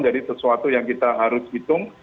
jadi sesuatu yang kita harus hitung